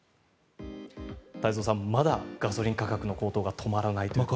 太蔵さん、まだガソリン価格の高騰が止まらないということです。